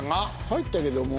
入ったけども。